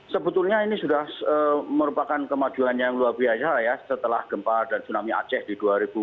sebetulnya ini sudah merupakan kemajuan yang luar biasa ya setelah gempa dan tsunami aceh di dua ribu dua puluh